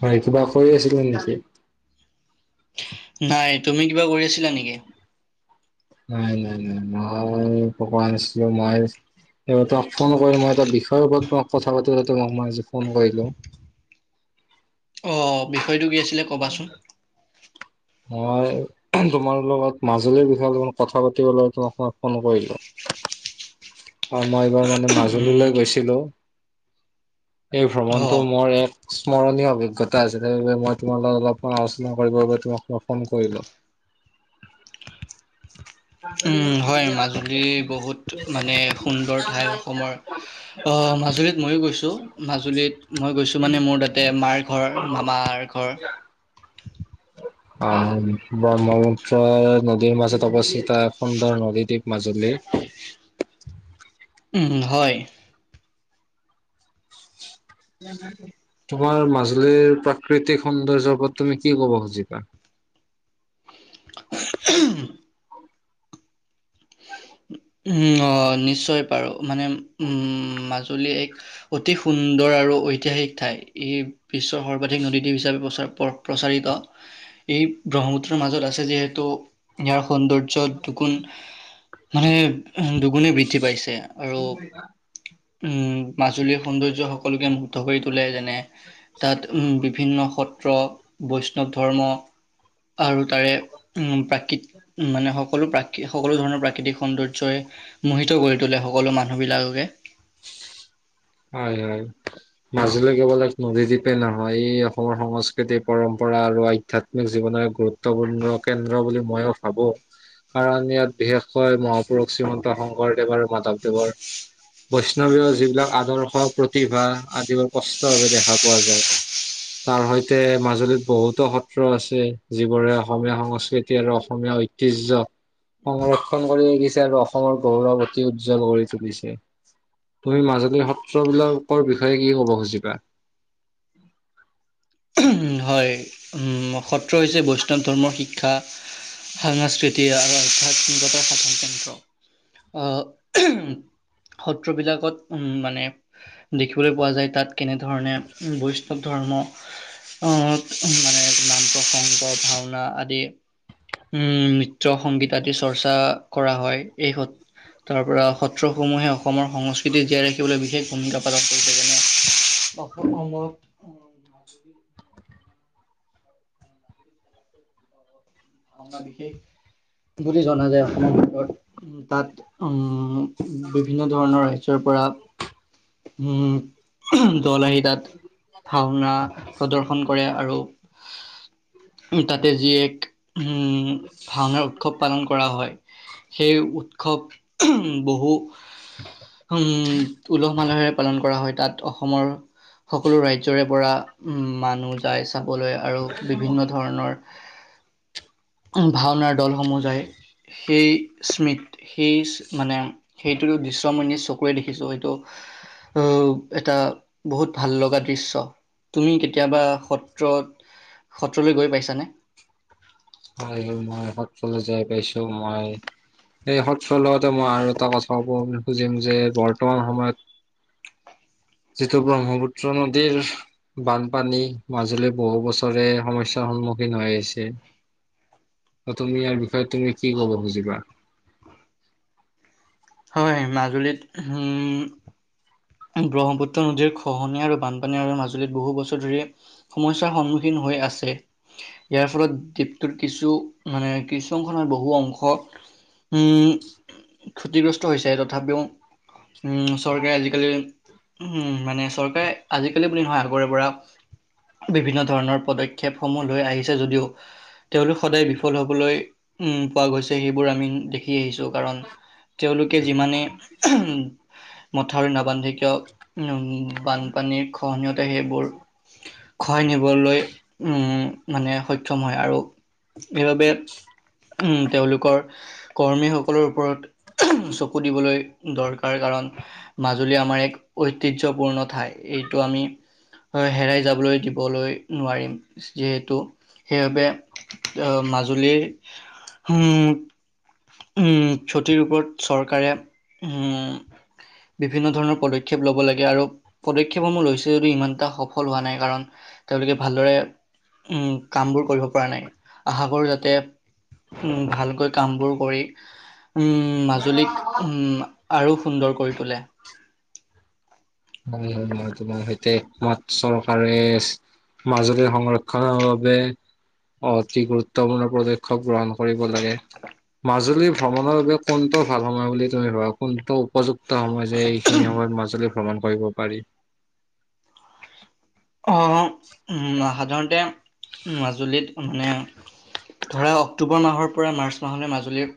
হয়, কিবা কৰি আছিলো নেকি? নাই। তুমি? কিবা কৰি আছিলা নেকি? নাই নাই নাই, মই একো কৰা নাছিলো। মই তোমাক ফোন কৰি মই এটা বিষয়ৰ ওপৰত তোমাক কথা পাতিব মই আজি ফোন কৰিলো। অ' বিষয়টো কি আছিলে ক'বাচোন। মই তোমাৰ লগত মাজুলীৰ বিষয়ে অলপ মান কথা পাতিবলৈ তোমাক মই ফোন কৰিলো। আৰু মই এইবাৰ মানে উম, মাজুলীলৈ গৈছিলো, এই ভ্ৰমণটো অ'। মোৰ এক স্মৰণীয় অভিজ্ঞতা আছিল সেইবাবে মই তোমাল লগ অলপ আলোচনা কৰিবৰ বাবে তোমাক মই ফোন কৰিলো। [inaudible] হয় মাজুলী বহুত মানে সুন্দৰ ঠাই, অসমৰ অ' মাজুলীত ময়ো গৈছো, মাজুলীত মই গৈছো মানে, মোৰ তাতে মাৰ ঘৰ, মামাৰ ঘৰ। আহ ব্ৰহ্মপুত্ৰ নদীৰ মাজত অৱস্থিত সুন্দৰ নদী দ্বীপ মাজুলীৰ। উম হয়। তোমাৰ মাজুলীৰ প্ৰাকৃতিক সৌন্দৰ্য উপৰত তুমি কি কব খুজিবা? উম। উম নিশ্চয় পাৰো, মানে উম মাজুলী এক অতি সুন্দৰ আৰু ঐতিহাসিক ঠাই। ই বিশ্বৰ সৰ্বাধিক নদীদ্বপ হিচাপে প্ৰচাৰ। প্ৰচাৰিত, এই ব্ৰহ্মপুত্ৰৰ মাজত আছে যিহেতু ইয়াৰ সৌন্দৰ্য দুগুণ মানে দুগুণে বৃদ্ধি পাইছে আৰু উম মাজুলী সৌন্দৰ্য সকলোকে মুগ্ধ কৰি তোলোই জানো তাত উম বিভিন্ন সত্ৰ বৈষ্ণৱ ধৰ্ম আৰু তাৰে উম প্ৰাকৃৃত মানে হওক সকলো প্ৰাকী সকলো ধৰণৰ প্ৰ প্ৰাকৃতিক সৌন্দৰ্যই মোহিত কৰি তোলে সকলো মানুহবিলাককে। হয় হয় মাজুলী কেৱল এক নদীদ্বীপে নহয় ই অসমৰ সংস্কৃতি পৰম্পৰা আৰু আধ্যাত্মিক জীৱনৰ এক গুৰুত্বপূৰ্ণ কেন্দ্ৰ বুলি ময়ও ভাবো কাৰণ ইয়াত বিশেষকৈ মহাপুৰুষ শ্ৰীমন্ত শংকৰদেৱ আৰু মাধৱদেৱৰ বৈষ্ণৱীয় যিবিলাক আদ প্ৰতিভা আদিবোৰ কষ্ট ভাৱে দেখা পোৱা যায় তাৰ সৈতে মাজুলীত বহুতো সত্ৰ আছে যিবোৰে অসমীয়া সংস্কৃতি আৰু অসমীয়া ঐতিহ্ সংৰক্ষণ কৰি ৰাখিছে আৰু অসমৰ গৌৰৱ অতি উজ্জ্বল কৰি তুলিছে তুমি মাজুলীৰ স বিলাকৰ বিষয়ে কি কব খুজিবা? উম হয় উম স্ৰ হৈছে বৈষ্ণৱ ধৰ্মৰ শিক্ষা সংস্কৃতি আৰু আধ্যাত্মিকতাৰ সাধন কেন্দ্ৰ আহ সত্ৰবিলাকত উম মানে দেখিবলৈ পোৱা যায় তাত। কেনেধৰণে ব ধৰ্ম আহ মানে নাম প্ৰসংগ ভাওনা আদি উম নৃত্য সংগীত আদি চৰ্চা কৰা হয় এই সত তাৰ পৰা সত্ৰসমূহে অসমৰ সংস্কৃতি জীয়াই ৰাখিবলৈ বিশেষ ভূমিকা পালন কৰিছে যেনে [unintelligible] ভাওনা বিশেষ বুলি জনা যায় অসমৰ ভিতৰত উ তাত উম বিভিন্ন ধৰণৰ ৰাজ্য়ৰ পৰা উম দল আহি তাত ভাওনা প্ৰদৰ্শন কৰে আৰু তাতে যি এক ভাওনাৰ উৎসৱ পালন কৰা হয়। সেই উৎসৱ বহু উম উলহ মালহৰে পালন কৰা হয় তাত অসমৰ সকলো ৰাজ্যৰে পৰা উ মানুহ যাই। চাবলৈ আৰু বিভিন্ন ধৰণৰ ভাওনাৰ দলসমূহ যায় সেই স্মিত সেই মানে সেই প্ৰতিটো দশমূ্য চকুৰে দেখিছো। এটা বহুত ভাল লগা দৃশ্য় তুমি কেতিয়াবা সত্ৰত সত্ৰলৈ গৈ পাইছানে। হয় মই সত্ৰলৈ যাই পাইছো মই এই সত্ৰৰ লগতে মই আৰু এটা কথাব খুজিম যে বৰ্তমান সময়ত যিটো ব্ৰহ্মপুত্ৰ নদীৰ বানপানী মাজুলী বহু বছৰে সমস্যাৰ সন্মুখীন হৈ আহিছে। তুমি ইয়াৰ বিষয়ে তুমি কি কব খুজিবা? হয় মাজুলীত উম। ব্ৰহ্মপুত্ৰ নদীৰ খহনীয়া আৰু বানপানী আৰু মাজুলীত বহু বছৰ ধৰি সমস্যাৰ সন্মুখীন হৈ আছে ইয়াৰ ফলত দ্বীপটোত কিছু মানে কিছু অংশত বহু অংশ উম ক্ষতিগ্ৰস্ত হৈছে তথাপিও উ চৰকাৰে আজিকালি উম মানে চৰকাৰে আজিকালি বুলি নহয় আগৰে পৰা বিভিন্ন ধৰণৰ পদক্ষেপসমূহ লৈ আহিছে যদিও উ বানপানীৰ খহনীয়তে সেইবোৰ খয় নিবলৈ উম মানে সক্ষম হয় আৰু সবাবে উম তেওঁলোকৰ কৰ্মীসকলৰ ওপৰত চকু দিবলৈ দৰকাৰ কাৰণ মাজুলী আমাৰ এক ঐতিহ্য়পূৰ্ণ ঠাই এইটো আমি হেৰাই যাবলৈ দিবলৈ নোৱাৰিম যিহেতু সেইবাবে আহ মাজুলীৰ হম উম ক্ষতিৰ ওপৰত চৰকাৰে উম বিভিন্ন ধৰণৰ পদক্ষেপ ল'ব লাগে আৰু পদক্ষেপসমূহ লৈছে যদিও ইমানটা সফল হোৱা নাই কাৰণ তেওঁলোকে ভালদৰে উম কামবোৰ কৰিব পৰা নাই আশাকৰোঁ যাতে ভালকৈ কামবোৰ কৰি উম মাজুলীক উম আৰু সুন্দৰ কৰি তোলে। তোমাৰ সৈতে একমাত চৰকাৰে মাজুলীৰ সংৰক্ষনৰৰ বাবে অতি গুৰুত্বপূৰ্ণ পদক্ষেপ গ্ৰহণ কৰিব লাগে মাজুলী ভ্ৰমণৰ বাবে কোনটো ভাল সময় বুলি তুমি ভাবা কোনটো উপযুক্ত? [unintelligible] সময় যে এইখিনি সময়ত মা- চবে ভ্ৰমণ- কৰিব পাৰি। অ সাধাৰণতে মাজুলীত- মানে ধৰা অক্টোবৰ মাহৰ পৰা মাৰ্চ মাহলৈ মাজুলীৰ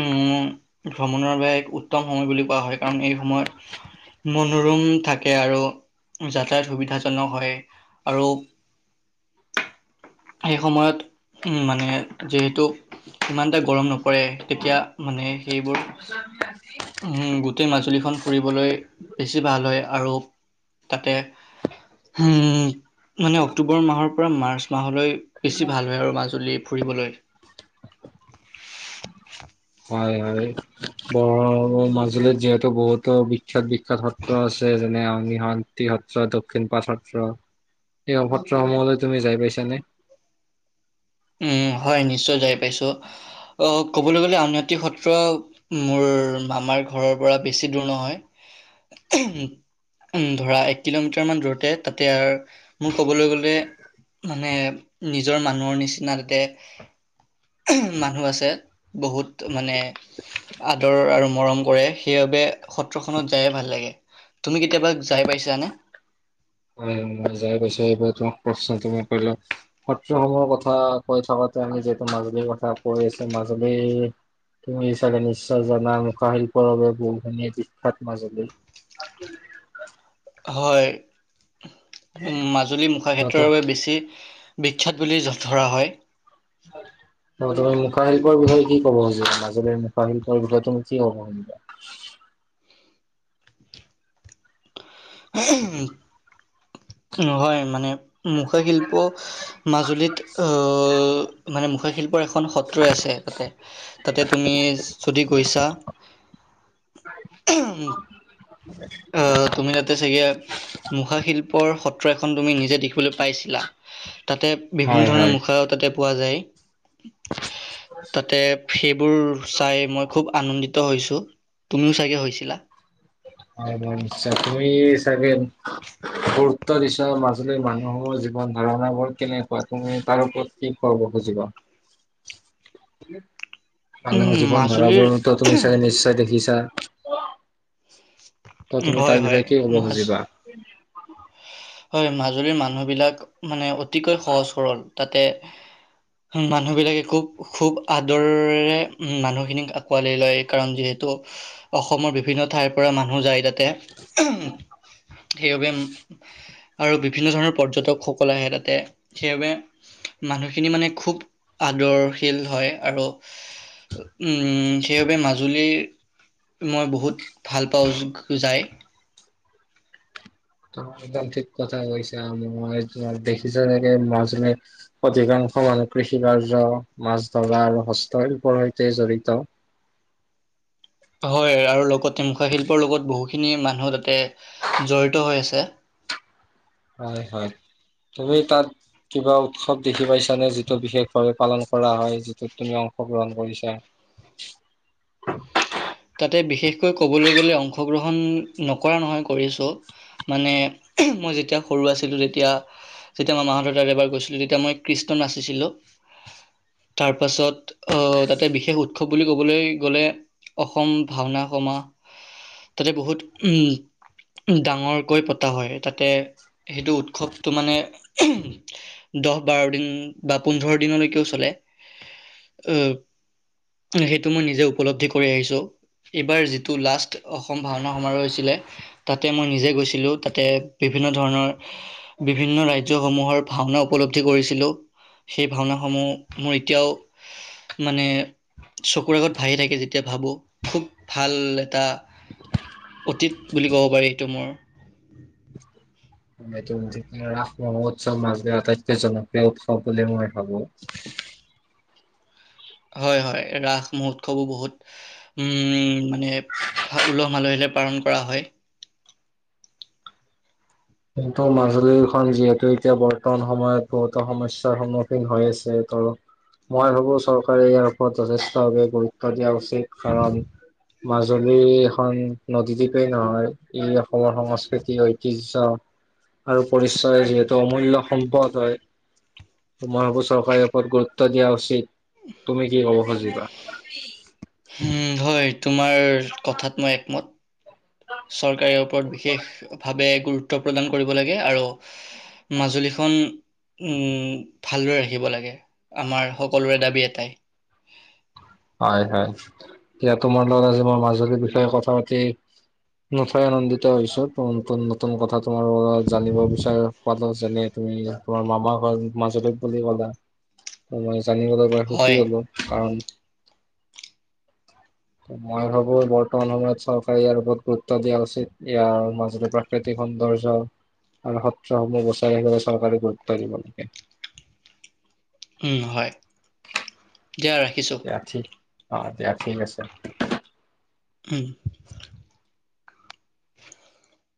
উম ভ্ৰমণৰ বাবে এক উত্তম সময় বুলি কোৱা হয় কাৰণ এই সময়ত মনোৰম থাকে আৰু যাতায়ত সুবিধা- জনক হয় আৰু সেই সময়ত উম মানে যিহেতু ইমান এটা গৰম নপ- ৰে তেতিয়া মানে সেইবোৰ উম গো- গোটেই মাজুলীখন ফুৰিবলৈ বেছি ভাল হয়, আৰু তাতে- হম। মানে অক্টোবৰ মাহৰ- পৰা মাৰ্চ মাহলৈ- বেছি ভাল হয় আৰু মাজুলী- ফুৰিবলৈ। হয় হয় বৰ মাজুলীত যিহেতু বহুতো বিখ্যাত বিখ্যাত সত্ৰ আছে যেনে অগ্নিশান্তি সত্ৰ, দক্ষিণপাট সত্ৰ এই সত্ৰসমূহলৈ তুমি যাই পাইছানে? উম হয় নিশ্চয় যাই পাইছো। আহ ক'বলৈ গলে আউনিআটি সত্ৰ মোৰ মামাৰ ঘৰৰ পৰা বেছি দূৰ নহয়, ধৰা এক কিলোমিটাৰ মান দূৰতে তাতে মোৰ ক'বলৈ গলে মানে নিজৰ মানুহৰ নিচি- না তাতে মানুহ আছে বহুত মানে আদৰ আৰু মৰম কৰে সেইবাবে সত্ৰখনত যায়ে ভাল লাগে। তুমি কেতিয়াবা যাই পাইছানে? হয় মই যায় পাইছো এইবাৰটো। [unintelligible] সত্ৰসমূহৰ কথা কৈ থকাতে আমি যিহেতু মাজুলীৰ কথা কৈ আছো মাজুলী তুমি চাগে নিশ্চয় জানা মুখা-শিল্পৰ বাবে বহুতেই বিখ্যাত মাজুলী। হয়। মাজুলী মুখাক্ষেত্ৰৰ সিহঁতক বাবে বেছি- বিখ্যাত বুলি ধৰা হয়। তুমি মুখাশিল্পৰ বিষয়ে কি কব খুজা মাজু- মাজুলীৰ মুখাশিল্পৰ বিষয়ে তুমি কি ক'ব খোজা? হয় মানে- মুখাশিল্প মাজুলীত মানে মুখাশিল্পৰ এখন সত্ৰই আছে তাতে তাতে তুমি যদি গৈছা- অ তুমি- মুখাশিল্পৰ সত্ৰ এখন তুমি নিজে দেখিবলৈ পাইছিলা- তাতে বিভিন্ন হয় ধৰণৰ হয়। মুখা তাতে পোৱা যায়। [unintelligible] তাতে সেইবোৰ চাই মই খুব আনন্দিত- হৈছো। তুমিও চাগে হৈছিলা? হয় হয় নিশ্চয়। তুমি চাগে গুৰুত্ব দিছা মাজুলীৰ মানুহৰ জীৱন ধাৰণাবোৰ কেনেকুৱা তুমি তাৰ ওপৰত কি কব খুজিবা? উম মানুহৰ জীৱন মাজুলীৰ ধাৰাবোৰতো তুমি চাগে নিশ্চয় দেখিছা? [unintelligible] ত' তুমি হয় তাৰ হয় বিষয়ে কি ক'ব মাজ খুজিবা? হয় মাজুলীৰ মানুহ বিলাক মানে অতিকৈ সহজ সৰল, তাতে মানুহ বিলাকে খুব খুব আদৰেৰে মানুহখিনিক আঁকোৱালি লয়, কাৰণ যিহেতু অসমৰ বিভিন্ন ঠাইৰ পৰা মানুহ যায় তা- তে। [inaudible] সেইবাবে আৰু বিভিন্ন ধৰণৰ পৰ্যটকসকল আহে তাতে সেইবাবে মানুহখিনি মানে খুব আদৰশীল হয় আৰু উম, সেইবাবে মাজুলীৰ মই বহুত ভাল পাওঁ যায়। ত' একদম ঠিক কথা কৈছা মই তোমাৰ দেখিছোঁ যেনেকে মাজুলিত অধিকাংশ মানহ কৃষি কাৰ্য মাছ ধৰা আৰু হস্তশিল্পৰ সৈতে জড়িত। হয় আৰু লগত মূখা শিল্পৰ লগত বহুখিনি মানুহ তাতে জড়িত হৈ আছে। হয়, হয় তুমি তাত কিবা উৎসৱ দেখি পাইছানে যিটো বিশেষ ভাৱে পালন কৰা হয় যিটোত তুমি অংশগ্ৰহণ কৰিছা? তাতে বিশেষ ক'বলৈ গ'লে অংশ গ্ৰহণ নকৰা নহয় কৰিছোঁ মানে মই যেতিয়া সৰু আছিলো তেতিয়া যেতিয়া মামাহঁতৰ তাত এবাৰ গৈছিলো তেতিয়া মই কৃষ্ণ নাচিছিলো তাৰ পাছত আহ তাতে বিশেষ উৎসৱ বুলি ক'বলৈ গ'লে অসম ভাওনা সমাহ তাতে বহুত উম, ডাঙৰকৈ পতা হয় তাতে সেইটো উৎসৱটো মানে দহ বাৰ দিন বা পোন্ধৰ দিনলৈকেও চলে অব, সেইটো মই নিজে উপলব্ধি কৰি আহিছোঁ, এইবাৰ যিটো লাষ্ট অসম ভাওনা সমাৰোহ হৈছিলে তাতে মই নিজে গৈছিলোঁ তাতে বিভিন্ন ধৰণৰ বিভিন্ন ৰাজ্যসমূহৰ ভাওনা উপলব্ধি কৰিছিলোঁ সেই ভাওনাসমূহ মোৰ এতিয়াও মানে চকুৰ আগত ভাহি থাকে। এতিয়া ভাবো খুব ভাল এটা অতীত বুলি ক'ব পাৰি এইটো মোৰ। এইটো ৰাস মহোৎসৱ মাজুলি আটাইতকৈ জনপ্ৰিয় উৎসৱ বুলি মই ভাবো। হয়, হয় ৰাস মহোৎসৱো বহুত উম, মানে উলহ-মালহেৰে পালন কৰা হয়। কিন্তু মাজুলীখন যিহেতু এতিয়া বৰ্তমান সময়ত বহুতো সমস্যাৰ সন্মুখীন হৈ আছে মই ভাবো চৰকাৰে ইয়াৰ ওপৰত যথেষ্টভাৱে গুৰুত্ব দিয়া উচিত। এ কাৰণ মাজুলী এখন নদীদ্বীপেই নহয় ই অসমৰ সংস্কৃতি ঐতিহ্য। আৰু পৰিচয় যিহেতু অমূল্য সম্পদ হয়, মই ভাবো চৰকাৰে ওপৰত গুৰুত্ব দিয়া উচিত। তুমি কি ক'ব খুজিবা? [inaudible] উম, হয় তোমাৰ কথাত মই একমত চৰকাৰে ইয়াৰ ওপৰত বিশেষভাৱে গুৰুত্ব প্ৰদান কৰিব লাগে আৰু মাজুলীখন উম, ভালদৰে ৰাখিব লাগে, আমাৰ সকলোৰে দাবী এটাই। হয়, হয় এতিয়া তোমাৰ লগত আজি মই মাজুলীৰ বিষয়ে কথা পাতি নথৈ আনন্দিত হৈছো নতুন নতুন কথাত তোমাৰ পৰা জানিব বিচাৰা পালো যেনে তুমি তোমাৰ মামাৰ ঘৰ মাজত বুলি কলা ত জানিবলৈ পাই হয়, সুখি গলো, কাৰণ মই ভাবো বৰ্তমান সময়ত চৰকাৰে ইয়াৰ ওপৰত গুৰুত্ব দিয়া উচিত, ইয়াৰ মাজৰে প্ৰাকৃতিক সৌন্দৰ্য আৰু সত্ৰসমূহ বচাই ৰাখিবে চৰকাৰে গুৰুত্ব দিব লাগে। উম হয়। দিয়া ৰাখিছোঁ। দিয়া ঠিক অ' দিয়া ঠিক আছে। উম।